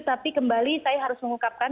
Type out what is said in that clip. tapi kembali saya harus mengungkapkan